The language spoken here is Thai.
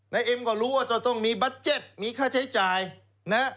เอ็มก็รู้ว่าจะต้องมีบัตเจ็ตมีค่าใช้จ่ายนะ